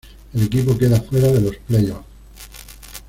El equipo queda fuera de los playoffs.